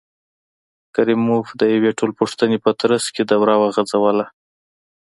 کریموف د یوې ټولپوښتنې په ترڅ کې دوره وغځوله.